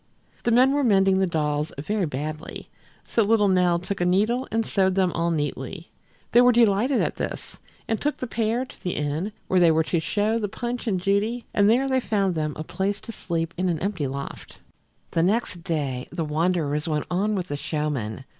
The men were mending the dolls very badly, so little Nell took a needle and sewed them all neatly. They were delighted at this, and took the pair to the inn where they were to show the Punch and Judy, and there they found them a place to sleep in an empty loft. The next day the wanderers went on with the showmen.